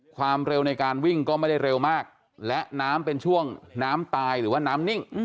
ความเร็วในการวิ่งก็ไม่ได้เร็วมากและน้ำเป็นช่วงน้ำตายหรือว่าน้ำนิ่ง